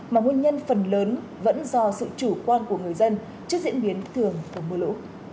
mà nguyên nhân phần lớn vẫn do sự chủ quan của người dân trước diễn biến thường của mưa lũ